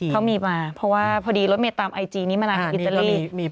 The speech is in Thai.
เขามีมาเพราะว่าพอดีรถเมย์ตามไอจีนี้มานานกับอิตาลี